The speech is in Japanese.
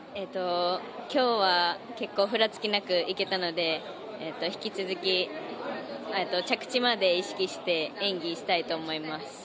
今日は結構ふらつきなくいけたので引き続き着地まで意識して演技したいと思います。